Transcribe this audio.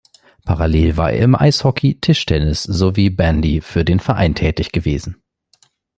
Parallel war er im Eishockey, Tischtennis sowie Bandy für den Verein tätig gewesen.